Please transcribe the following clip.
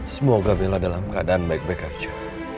semoga bella dalam keadaan baik baik saja